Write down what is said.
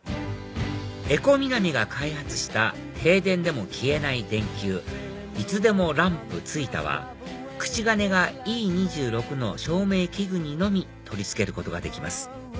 エコミナミが開発した停電でも消えない電球いつでもランプｔｓｕｉｔａは口金がＥ２６の照明器具にのみ取り付けることができます